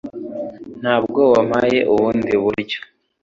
Ntabwo wampaye ubundi buryo